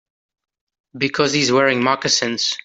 Because he's wearing moccasins.